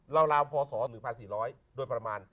ราวพศ๑๔๐๐โดยประมาณ